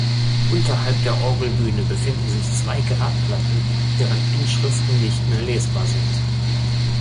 Unterhalb der Orgelbühne befinden sich zwei Grabplatten, deren Inschriften nicht mehr lesbar sind.